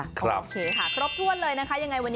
โอเคค่ะครบถ้วนเลยนะคะ